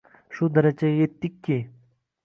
Shu darajaga yetdikki